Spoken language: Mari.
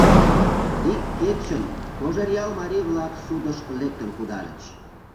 Ик кечын Кожеръял марий-влак судыш лектын кудальыч.